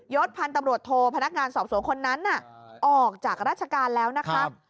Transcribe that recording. ศพันธ์ตำรวจโทพนักงานสอบสวนคนนั้นออกจากราชการแล้วนะครับ